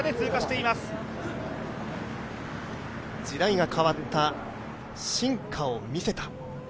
時代が変わった、進化を見せた。